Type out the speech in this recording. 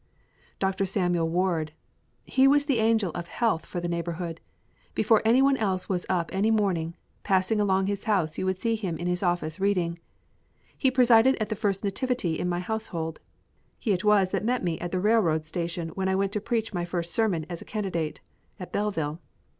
Dr. Samuel Ward! He was the angel of health for the neighbourhood. Before anyone else was up any morning, passing along his house you would see him in his office reading. He presided at the first nativity in my household. He it was that met me at the railroad station when I went to preach my first sermon as candidate, at Belleville.